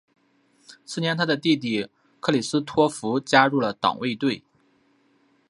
次年他的弟弟克里斯托福加入了党卫队。